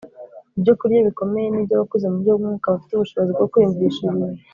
Ibyokurya bikomeye ni iby abakuze mu buryo bw umwuka bafite ubushobozi bwo kwiyumvisha ibintu